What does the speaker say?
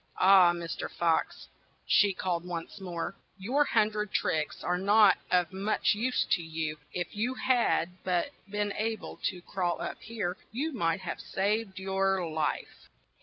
"Ah! Mr. Fox," she called once more, "your hun dred tricks are not of much use to you ; if you had but been a ble to crawl up here, you might have saved your life."